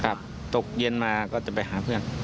ตกเย็นมาก็จะไปหาเพื่อน